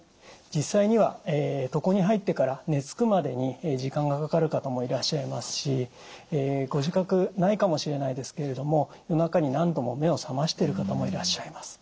実際には床に入ってから寝つくまでに時間がかかる方もいらっしゃいますしご自覚ないかもしれないですけれども夜中に何度も目を覚ましている方もいらっしゃいます。